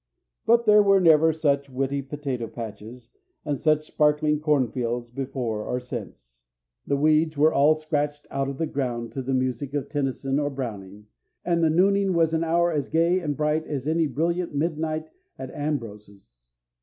But there were never such witty potato patches and such sparkling cornfields before or since. The weeds were scratched out of the ground to the music of Tennyson or Browning, and the nooning was an hour as gay and bright as any brilliant midnight at Ambrose's.